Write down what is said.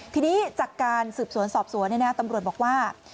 ทีนี้จากการสืบสวนสอบสวนตำรวจบอกว่า